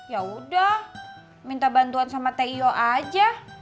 ya udah minta bantuan sama tio aja